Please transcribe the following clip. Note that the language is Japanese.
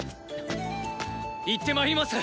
行ってまいります。